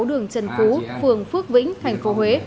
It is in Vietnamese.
một trăm bảy mươi sáu đường trần phú phường phước vĩnh tp huế